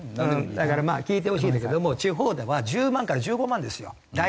だからまあ聞いてほしいんだけども地方では１０万から１５万ですよ大体が。